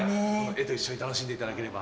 絵と一緒に楽しんでいただければ。